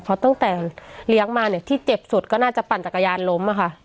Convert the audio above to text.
เพราะตั้งแต่เลี้ยงมาเนี่ยที่เจ็บสุดก็น่าจะปั่นจักรยานล้มอะค่ะ